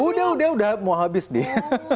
udah udah udah mau habis nih